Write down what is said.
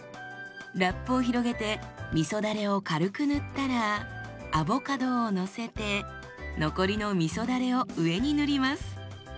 ラップを広げてみそだれを軽く塗ったらアボカドをのせて残りのみそだれを上に塗ります。